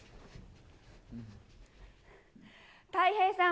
たい平さん。